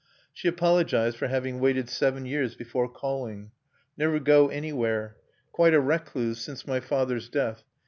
She apologized for having waited seven years before calling.... "Never go anywhere.... Quite a recluse since my father's death.